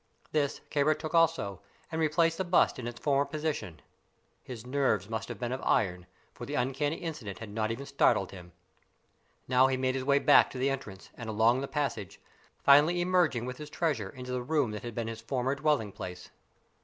This Kāra took also, and replaced the bust in its former position. His nerves must have been of iron, for the uncanny incident had not even startled him. Now he made his way back to the entrance and along the passage, finally emerging with his treasure into the room that had been his former dwelling place.